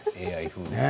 ＡＩ風。